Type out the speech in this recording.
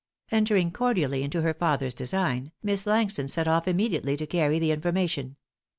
Entering cordially into her father's design, Miss Langston set off immediately to carry the information.